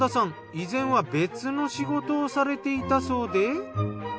以前は別の仕事をされていたそうで。